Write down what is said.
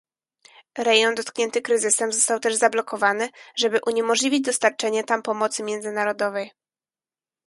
Rejon dotknięty kryzysem został też zablokowany, żeby uniemożliwić dostarczanie tam pomocy międzynarodowej